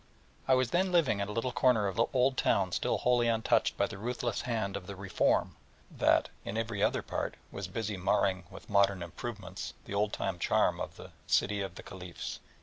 I was then living in a little corner of the old town still wholly untouched by the ruthless hand of the "reform" that, in every other part, was busy marring with modern "improvements" the old time charm of the "City of the Caliphs."